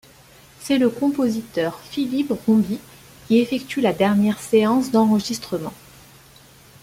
C'est le compositeur Philippe Rombi qui effectue la dernière séance d'enregistrement.